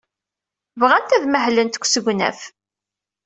Bɣant ad mahlent deg usegnaf.